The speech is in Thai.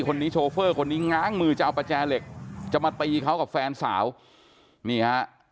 โชเฟอร์คนนี้ง้างมือจะเอาประแจเหล็กจะมาตีเขากับแฟนสาวนี่ฮะ